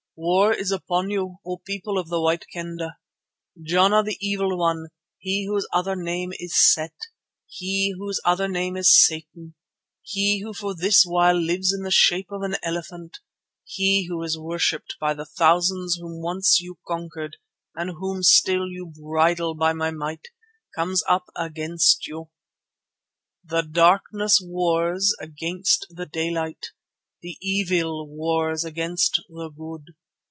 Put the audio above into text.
War is upon you, O people of the White Kendah. Jana the evil one; he whose other name is Set, he whose other name is Satan, he who for this while lives in the shape of an elephant, he who is worshipped by the thousands whom once you conquered, and whom still you bridle by my might, comes up against you. The Darkness wars against the Daylight, the Evil wars against the Good.